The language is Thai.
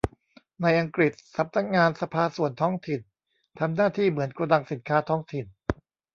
ในอังกฤษ สำนักงานสภาส่วนท้องถิ่นทำหน้าที่เหมือนโกดังสินค้าท้องถิ่น